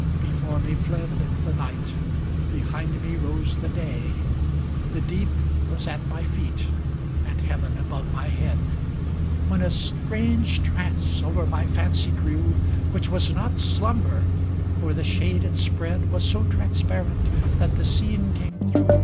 Before me fled The night; behind me rose the day; the deep Was at my feet, and Heaven above my head; ŌĆö When a strange trance over my fancy grew Which was not slumber, for the shade it spread 30 Was so transparent that the scene came through.